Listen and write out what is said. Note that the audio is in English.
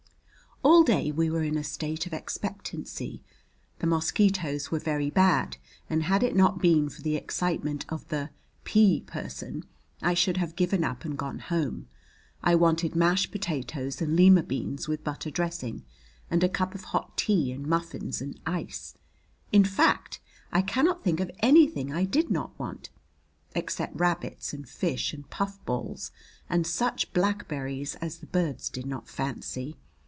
All day we were in a state of expectancy. The mosquitoes were very bad, and had it not been for the excitement of the P person I should have given up and gone home. I wanted mashed potatoes and lima beans with butter dressing, and a cup of hot tea, and muffins, and ice in fact, I cannot think of anything I did not want, except rabbits and fish and puffballs and such blackberries as the birds did not fancy.